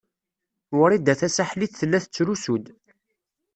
Wrida Tasaḥlit tella tettrusu-d.